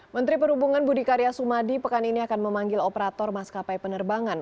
menteri perhubungan budi karya sumadi pekan ini akan memanggil operator maskapai penerbangan